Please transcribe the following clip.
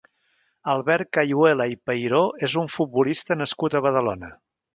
Albert Cayuela i Peiró és un futbolista nascut a Badalona.